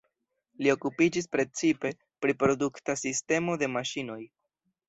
Li okupiĝis precipe pri produkta sistemo de maŝinoj.